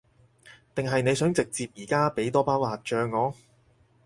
定係你想直接而家畀多包辣醬我？